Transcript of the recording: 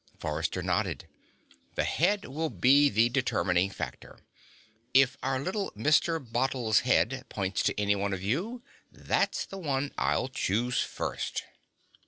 Forrester nodded. "The head will be the determining factor. If our little Mr. Bottle's head points to any one of you, that is the one I'll choose first."